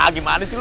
gimana sih lu